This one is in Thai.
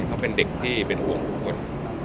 เขาเป็นเด็กเป็นห่วงทุกคน